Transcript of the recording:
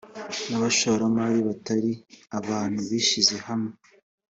ni abashoramari batari abantu bishyize hamwe